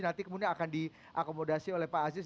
nanti kemudian akan diakomodasi oleh pak aziz